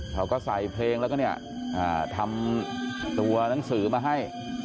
เขาก็ใส่เพลงแล้วก็เนี่ยทำตัวหนังสือมาให้